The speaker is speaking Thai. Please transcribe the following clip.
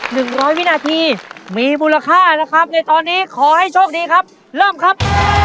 ร้อยวินาทีมีมูลค่านะครับในตอนนี้ขอให้โชคดีครับเริ่มครับ